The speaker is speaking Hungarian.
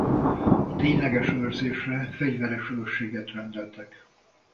A tényleges őrzésre fegyveres őrséget rendeltek.